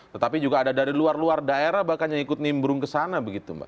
tetapi juga ada dari luar luar daerah bahkan yang ikut nimbrung ke sana begitu mbak